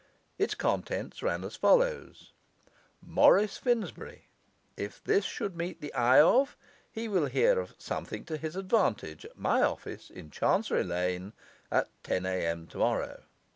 Its contents ran as follows: MORRIS FINSBURY, if this should meet the eye of, he will hear of SOMETHING TO HIS ADVANTAGE at my office, in Chancery Lane, at 10 A.M. tomorrow.